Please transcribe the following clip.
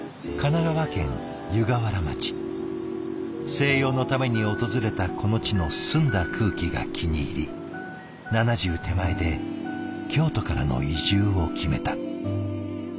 静養のために訪れたこの地の澄んだ空気が気に入り７０手前で京都からの移住を決めた。